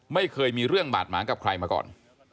ไม่เคยมีเรื่องบาดหมางกับใครมาก่อน